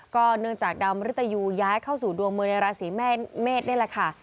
เนื่องจากดาวมริตยูย้ายเข้าสู่ดวงเมืองในราศีเมษนี่แหละค่ะ